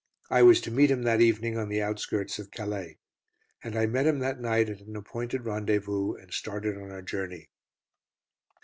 I was to meet him that evening on the outskirts of Calais. And I met him that night at an appointed rendezvous, and started on our journey.